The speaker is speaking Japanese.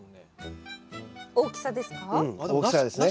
大きさですね。